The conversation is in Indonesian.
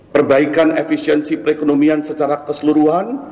perbaikan efisiensi perekonomian secara keseluruhan